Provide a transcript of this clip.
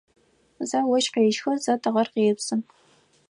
Зэ ощх къещхы, зэ тыгъэр къепсы.